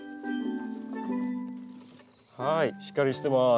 はいしっかりしてます。